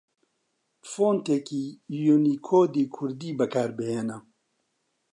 فۆنتێکی یوونیکۆدی کوردی بەکاربهێنە